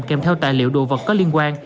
kèm theo tài liệu đồ vật có liên quan